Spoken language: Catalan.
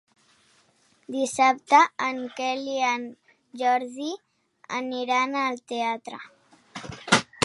Dissabte en Quel i en Jordi aniran al teatre.